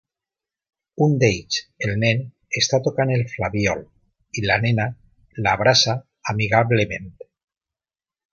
Un d'ells, el nen, està tocant el flabiol i la nena, l'abraça amigablement.